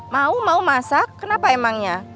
mau mau masak kenapa emangnya